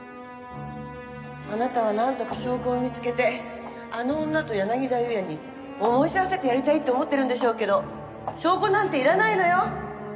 あなたはなんとか証拠を見つけてあの女と柳田裕也に思い知らせてやりたいって思ってるんでしょうけど証拠なんていらないのよ。